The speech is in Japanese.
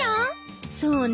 そうね。